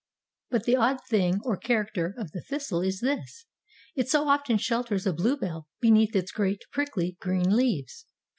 But the odd thing or character of the thistle is this ; It so often shelters a bluebell beneath its great, prickly, green leaves.